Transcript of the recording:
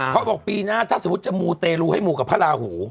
บอกปีหน้าถ้าสมมุติจะมูเตรลูให้มูกับพระราหู